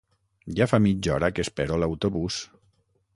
Ja fa mitja hora que espero l'autobús.